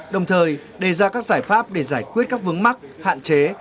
đồng thời đề ra các giải pháp để giải quyết các vướng mắc hạn chế